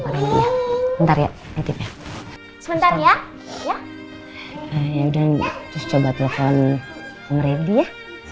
assalamualaikum warahmatullahi wabarakatuh